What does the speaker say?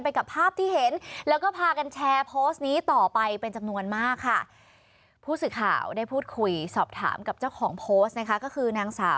ไปกับภาพที่เห็นแล้วก็พากันแชร์โพสต์นี้ต่อไปเป็นจำนวนมากค่ะ